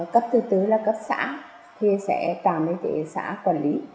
cấp thứ tứ là cấp xã thì sẽ trả mấy tỉ xã quản lý